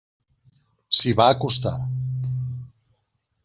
S'hi va acostar.